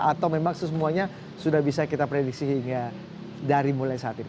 atau memang sesemuanya sudah bisa kita prediksi hingga dari mulai saat ini